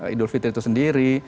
idul fitri itu sendiri